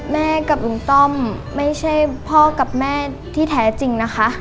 กับลุงต้อมไม่ใช่พ่อกับแม่ที่แท้จริงนะคะ